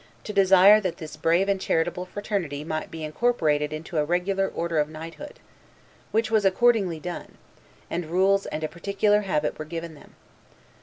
to desire that this brave and charitable fraternity might be incorporated into a regular order of knighthood; which was accordingly done, and rules and a particular habit were given them.